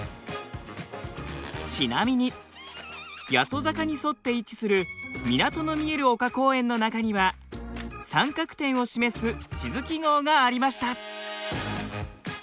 ちなみに谷戸坂に沿って位置する港の見える丘公園の中には三角点を示す地図記号がありました。